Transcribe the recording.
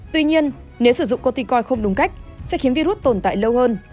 tuy nhiên nếu sử dụng corticori không đúng cách sẽ khiến virus tồn tại lâu hơn